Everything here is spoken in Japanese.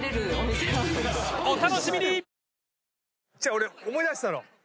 俺思い出してたの。